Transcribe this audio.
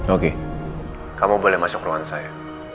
oke kamu boleh masuk ruang saya